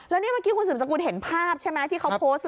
แล้วนี่เมื่อกี้คุณสืบสกุลเห็นภาพใช่ไหมที่เขาโพสต์